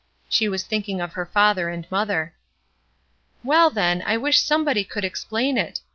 She was thinking of her father and mother. ''Well, then, I wish somebody could explain it.